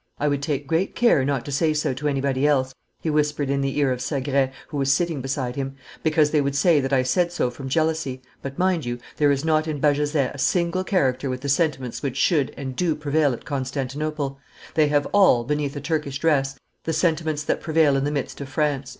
"I would take great care not to say so to anybody else," he whispered in the ear of Segrais, who was sitting beside him, "because they would say that I said so from jealousy; but, mind you, there is not in Bajazet a single character with the sentiments which should and do prevail at Constantinople; they have all, beneath a Turkish dress, the sentiments that prevail in the midst of France."